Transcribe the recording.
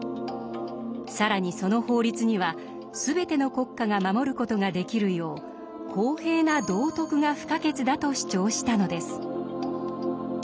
更にその法律には全ての国家が守る事ができるよう公平な「道徳」が不可欠だと主張したのです。